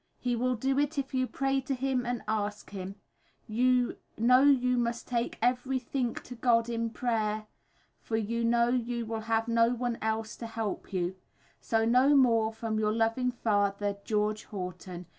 He will do it if you pray to him and ask him. You no you must take every think to God in prayer for you no you will have no one els to help you now. so no more from your loving father, GEORGE HORTON.